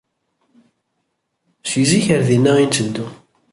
Si zik ar dinna i nteddu.